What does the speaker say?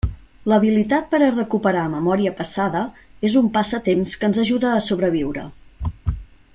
L'habilitat per a recuperar memòria passada és un passatemps que ens ajuda a sobreviure.